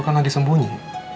lo kan lagi sembunyi